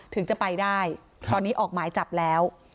ถึงจะไปได้ตอนนี้ออกหมายจับแล้ว